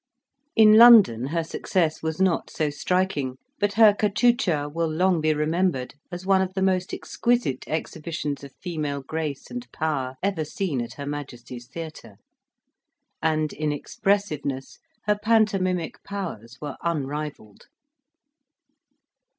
In London her success was not so striking; but her cachucha will long be remembered, as one of the most exquisite exhibitions of female grace and power ever seen at her Majesty's Theatre, and in expressiveness, her pantomimic powers were unrivalled.